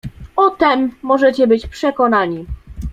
"O tem możecie być przekonani."